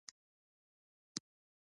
د رژیم ناولتیاوو مخنیوی یې ونکړ.